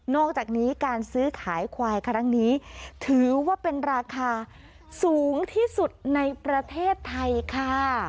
อกจากนี้การซื้อขายควายครั้งนี้ถือว่าเป็นราคาสูงที่สุดในประเทศไทยค่ะ